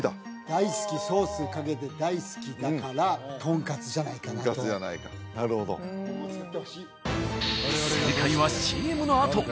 大好きソースかけて大好きだからトンカツじゃないかなトンカツじゃないかなるほど正解はＣＭのあと！